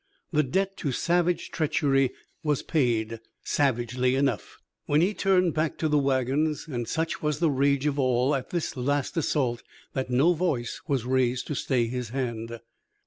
The debt to savage treachery was paid, savagely enough, when he turned back to the wagons, and such was the rage of all at this last assault that no voice was raised to stay his hand.